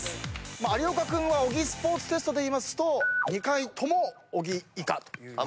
有岡君は小木スポーツテストでいいますと２回とも小木以下と。